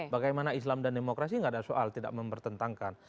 bagaimana islam dan demokrasi tidak ada soal tidak mempertentangkan